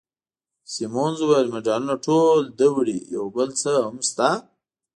سیمونز وویل: مډالونه ټول ده وړي، یو بل څه هم شته.